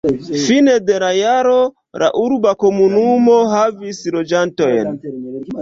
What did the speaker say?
Fine de la jaro la urba komunumo havis loĝantojn.